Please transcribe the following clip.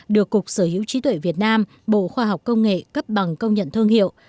được cục sở hữu trí tuệ việt nam bộ khoa học công nghệ cấp bằng công nhận thương hiệu